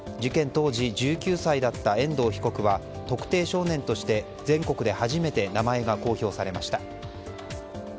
当時１９歳だった遠藤被告は特定少年として、全国で初めて名前が公表されました。